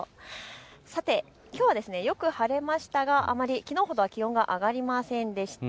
さてきょうはよく晴れましたがきのうほどは気温が上がりませんでした。